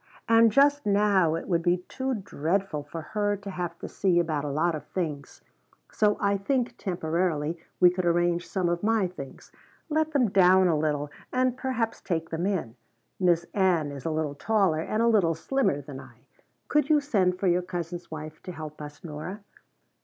"And just now it would be too dreadful for her to have to see about a lot of things. So I think, temporarily, we could arrange some of my things; let them down a little, and perhaps take them in Miss Ann is a little taller and a little slimmer than I. Could you send for your cousin's wife to help us, Nora?"